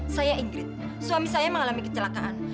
saya ingrit suami saya mengalami kecelakaan